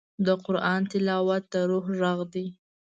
د قرآن تلاوت د روح غږ دی.